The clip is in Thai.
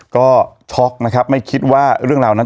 ก็ช็อกนะครับไม่คิดว่าเรื่องราวนั้น